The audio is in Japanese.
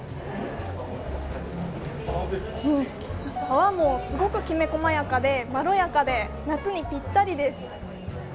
泡もすごくきめ細やかでまろやかで夏にぴったりです。